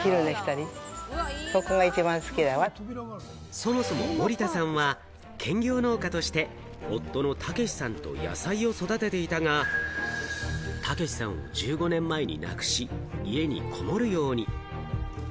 そもそも森田さんは、兼業農家として夫の武さんと野菜を育てていたが、武さんを１５年前に亡くし、家にこもるように。